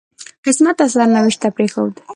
قسمت او سرنوشت ته پرېښود.